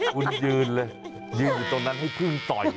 คุณยืนเลยยืนอยู่ตรงนั้นให้พึ่งต่อย